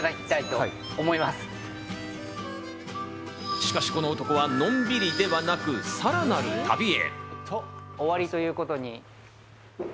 しかし、この男はのんびりではなく、さらなる旅へ。